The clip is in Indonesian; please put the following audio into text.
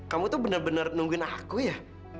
kamu tuh bener bener nungguin aku ya